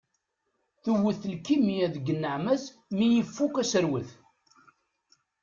Tewwet lkimya deg nneɛma-s mi ifukk aserwet.